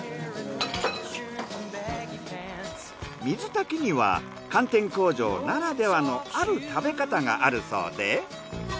水炊きには寒天工場ならではのある食べ方があるそうで。